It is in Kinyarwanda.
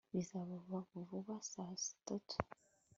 bizaba vuba saa tatu